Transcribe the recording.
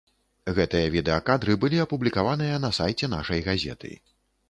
Гэтыя відэакадры былі апублікаваныя на сайце нашай газеты.